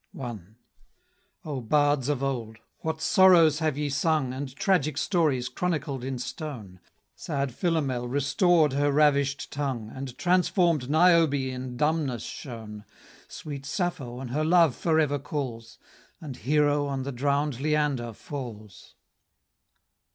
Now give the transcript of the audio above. I. Oh Bards of old! What sorrows have ye sung, And tragic stories, chronicled in stone, Sad Philomel restored her ravish'd tongue, And transform'd Niobe in dumbness shown; Sweet Sappho on her love forever calls, And Hero on the drown'd Leander falls!